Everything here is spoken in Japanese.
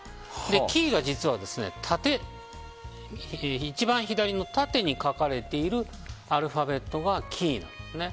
キーが実は一番左の縦に書かれているアルファベットがキーなんですね。